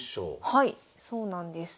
はいそうなんです。